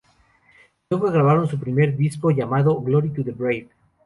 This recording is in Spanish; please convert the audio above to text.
Luego grabaron su primer disco llamado Glory to the Brave.